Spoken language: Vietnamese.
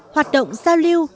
hoạt động giao lưu